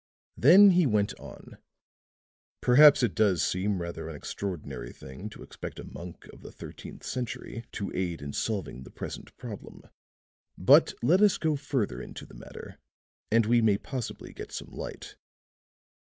Then he went on: "Perhaps it does seem rather an extraordinary thing to expect a monk of the thirteenth century to aid in solving the present problem. But let us go further into the matter and we may possibly get some light."